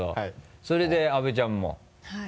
それで阿部ちゃんも？